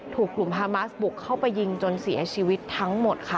ถูกกลุ่มฮามาสบุกเข้าไปยิงจนเสียชีวิตทั้งหมดค่ะ